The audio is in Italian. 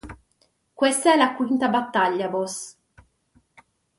Questa è la quinta battaglia boss.